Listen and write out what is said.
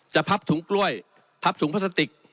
พับถุงกล้วยพับถุงพลาสติก